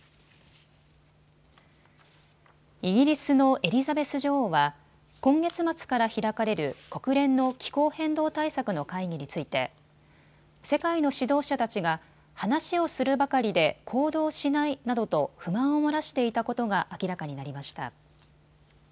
イギリスのエリザベス女王は今月末から開かれる国連の気候変動対策の会議について世界の指導者たちが話をするばかりで行動しないなどと不満を漏らしていたことが明らかになりました。